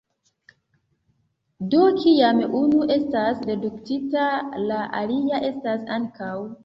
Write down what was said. Do, kiam unu estas reduktita, la alia estas ankaŭ.